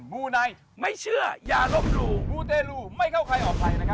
มูนายไม่เชื่ออย่ารบรูมูเตรลูไม่เข้าใครออกไผ่